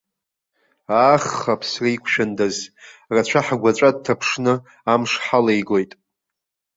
Аах аԥсра иқәшәандаз, рацәа ҳгәаҵәа дҭаԥшны амш ҳалеигоит.